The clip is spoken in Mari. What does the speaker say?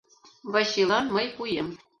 Вачилан мый пуэм...